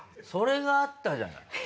それがあったじゃない。